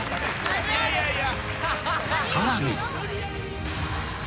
いやいやいや。